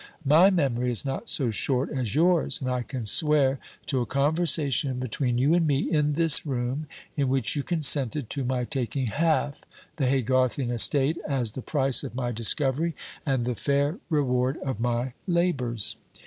My memory is not so short as yours; and I can swear to a conversation between you and me in this room, in which you consented to my taking half the Haygarthian estate as the price of my discovery and the fair reward of my labours."